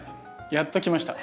やっときました。